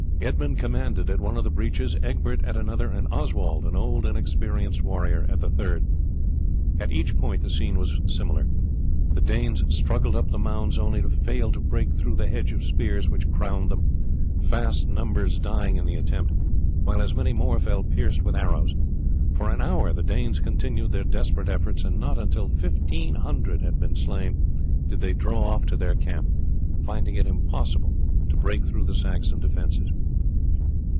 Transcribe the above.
Edmund commanded at one of the breaches, Egbert at another, and Oswald, an old and experienced warrior, at the third. At each point the scene was similar. The Danes struggled up the mounds only to fail to break through the hedge of spears which crowned them, fast numbers dying in the attempt, while as many more fell pierced with arrows. For an hour the Danes continued their desperate efforts, and not until fifteen hundred had been slain did they draw off to their camp, finding it impossible to break through the Saxon defences.